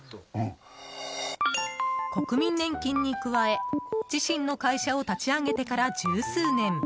国民年金に加え、自身の会社を立ち上げてから十数年。